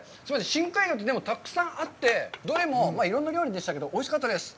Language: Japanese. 深海魚ってでも、たくさんあって、どれもいろんな料理でしたけど、おいしかったです。